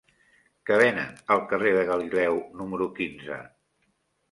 Què venen al carrer de Galileu número quinze?